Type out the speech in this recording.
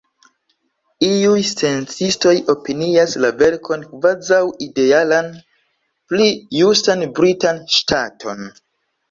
Iuj sciencistoj opinias la verkon kvazaŭ idealan, pli justan britan ŝtaton.